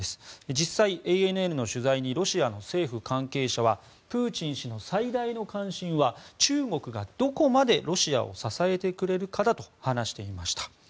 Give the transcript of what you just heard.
実際、ＡＮＮの取材にロシアの政府関係者はプーチン氏の最大の関心は中国がどこまでロシアを支えてくれるかだと話していました。